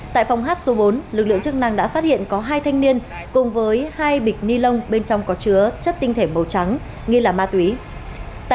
tại phòng hát số bốn lực lượng chức năng đã phát hiện có hai thanh niên cùng với hai bịch ni lông bên trong có chứa